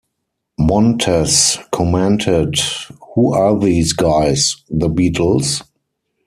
Montez commented Who are these guys The Beatles?